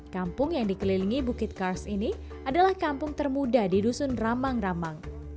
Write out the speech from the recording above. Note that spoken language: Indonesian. kampung yang dikelilingi bukit kars ini adalah kampung termuda di dusun ramang ramang